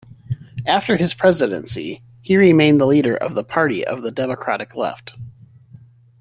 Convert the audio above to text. After his presidency, he remained the leader of the Party of the Democratic Left.